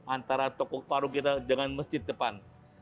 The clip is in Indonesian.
antara toko paru kita dengan masjid depan